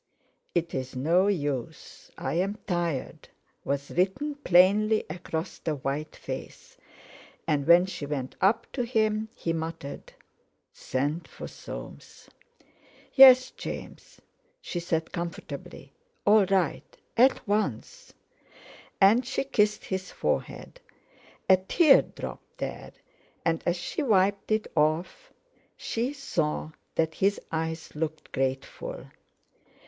"It's no use; I'm tired," was written plainly across that white face, and when she went up to him, he muttered: "Send for Soames." "Yes, James," she said comfortably; "all right—at once." And she kissed his forehead. A tear dropped there, and as she wiped it off she saw that his eyes looked grateful.